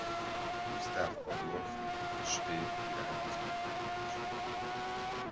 Gusztáv Adolf svéd királyhoz mentek feleségül.